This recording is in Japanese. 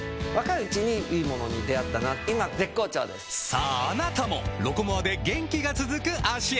さぁあなたも「ロコモア」で元気が続く脚へ！